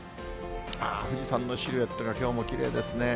あー、富士山のシルエットがきょうもきれいですね。